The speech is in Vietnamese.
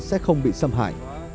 sẽ không bị xâm hại